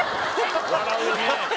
笑うね。